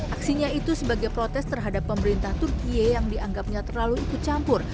aksinya itu sebagai protes terhadap pemerintah turkiye yang dianggapnya terlalu ikut campur